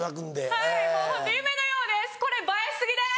はいもうホント夢のようです